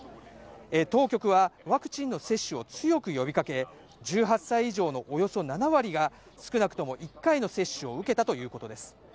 当局はワクチンの接種を強く呼びかけ、１８歳以上のおよそ７割が少なくとも１回の接種を受けたということです。